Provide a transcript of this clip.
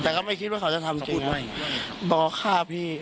แต่ก็ไม่คิดว่าเขาจะทำกินบอกฆ่าพี่